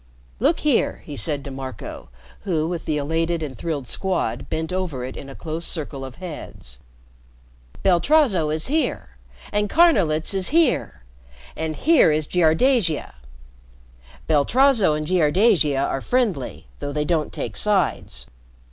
"Look here," he said to Marco, who, with the elated and thrilled Squad, bent over it in a close circle of heads. "Beltrazo is here and Carnolitz is here and here is Jiardasia. Beltrazo and Jiardasia are friendly, though they don't take sides.